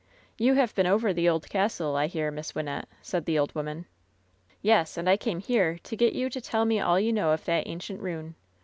"You have been over the old castle, I hear, Miss Wyn nette," said the old woman. "Yes, and I came here to get you to tell me all you know of that ancient ruin.